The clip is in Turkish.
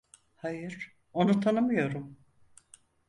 Hayır, onu tanımıyorum.